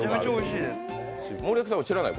森脇さんは知らない？